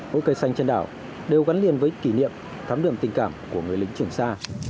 mỗi cây xanh trên đảo đều gắn liền với kỷ niệm thắm đường tình cảm của người lính trường sa